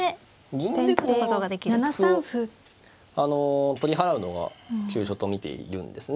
銀で歩を取り払うのが急所と見ているんですね。